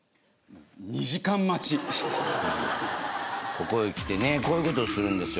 ここへきてねこういうことをするんですよ